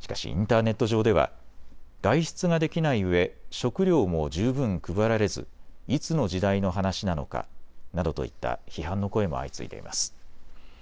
しかしインターネット上では外出ができないうえ食料も十分配られずいつの時代の話なのかなどといった批判の声も相次いでいます。